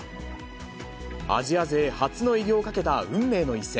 アジア勢初の偉業をかけた運命の一戦。